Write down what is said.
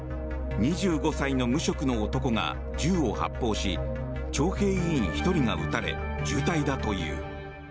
２５歳の無職の男が銃を発砲し徴兵委員１人が撃たれ重体だという。